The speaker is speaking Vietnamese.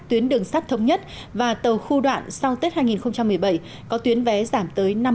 tuyến đường sắt thống nhất và tàu khu đoạn sau tết hai nghìn một mươi bảy có tuyến vé giảm tới năm mươi